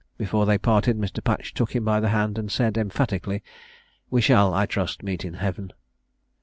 Before they parted Mr. Patch took him by the hand, and said, emphatically, "We shall, I trust, meet in Heaven."